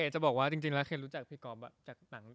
จริงแล้วเขียนรู้จักพี่กรอบจากหนัง